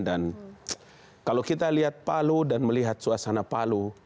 dan kalau kita lihat palu dan melihat suasana palu